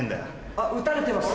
あっ撃たれてます。